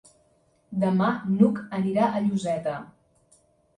Demà n'Hug anirà a Lloseta.